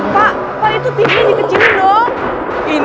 pak pak itu timnya dikecilin dong